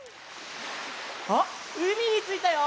あっうみについたよ！